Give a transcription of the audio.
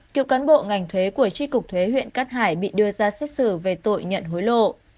kiệu cán bộ ngành thuế của tri cục thuế huyện cát hải bị đưa ra xét xử về tội nhận hối lộ